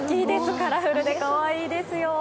カラフルでかわいいですよ。